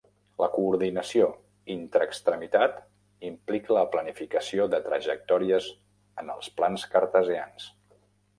La coordinació intra-extremitat implica la planificació de trajectòries en els plans cartesians.